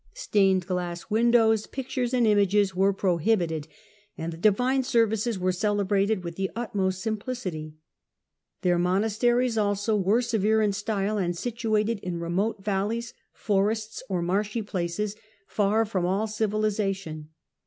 Stained glass windows, pictures and images were prohibited, and the divine services were celebrated with the utmost simplicity. Their monasteries also were severe in style, and situated in remote valleys, forests or marshy places, far from all civilization.